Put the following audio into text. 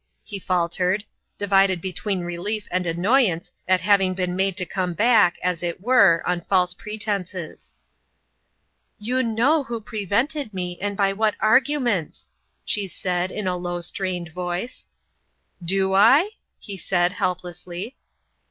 he faltered, divided between relief and annoyance at having been made to come back, as it were, on false pretenses. " You know who prevented me, and by what arguments !" she said, in a low strained voice. "Do I ?" he said, helplessly.